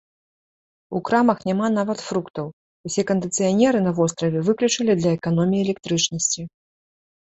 У крамах няма нават фруктаў, усе кандыцыянеры на востраве выключылі для эканоміі электрычнасці.